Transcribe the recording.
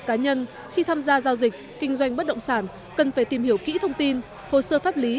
cá nhân khi tham gia giao dịch kinh doanh bất động sản cần phải tìm hiểu kỹ thông tin hồ sơ pháp lý